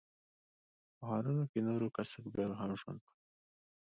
په ښارونو کې نورو کسبګرو هم ژوند کاوه.